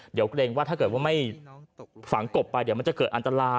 เดี๋ยวเกรงว่าถ้าเกิดว่าไม่ฝังกบไปเดี๋ยวมันจะเกิดอันตราย